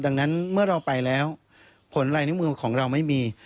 ดังนั้นเมื่อเราไปแล้วผลลายนิ้วมือของเราไม่มี